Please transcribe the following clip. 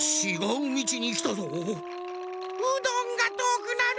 うどんがとおくなる。